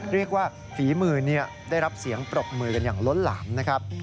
ฝีมือได้รับเสียงปรบมือกันอย่างล้นหลามนะครับ